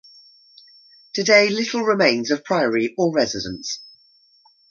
Today little remains of priory or residence.